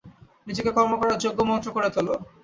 নিজেকে কর্ম করার যোগ্য যন্ত্র করে তোল।